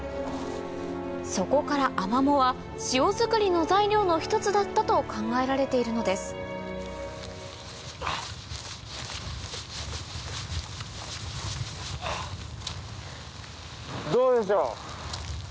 そこからアマモは塩づくりの材料の一つだったと考えられているのですどうでしょう？